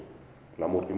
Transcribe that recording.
đó là một cái môi trường